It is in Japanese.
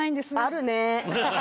あるね。